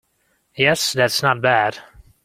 Yes, that's not bad.